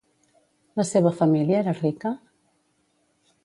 La seva família era rica?